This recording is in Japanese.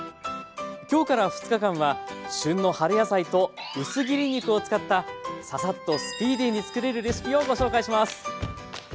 今日から２日間は旬の春野菜と薄切り肉を使ったササッとスピーディーに作れるレシピをご紹介します。